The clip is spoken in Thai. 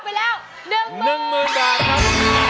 เพลงที่๑มูลค่า๑๐๐๐๐บาท